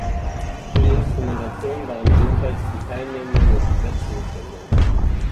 Für die Instrumentation waren ebenfalls die teilnehmenden Musiker zuständig.